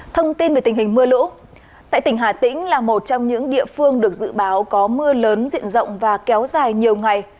thông tin về tình hình mưa lũ tại tỉnh hà tĩnh là một trong những địa phương được dự báo có mưa lớn diện rộng và kéo dài nhiều ngày